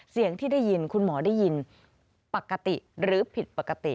เสียงที่ได้ยินคุณหมอได้ยินปกติหรือผิดปกติ